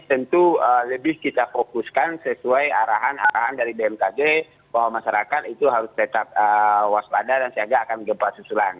tentu lebih kita fokuskan sesuai arahan arahan dari bmkg bahwa masyarakat itu harus tetap waspada dan siaga akan gempa susulan